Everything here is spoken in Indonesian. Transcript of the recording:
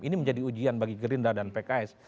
ini menjadi ujian bagi gerindra dan pks